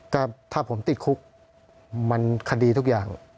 ก็ถ้าผมติดคุกมันคดีทุกอย่าง